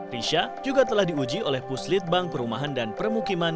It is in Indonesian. risha juga telah diuji oleh puslit bank perumahan dan permukiman